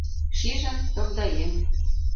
Шижын, тогдаен...